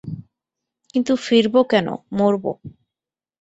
কিন্তু ফিরব কেন, মরব।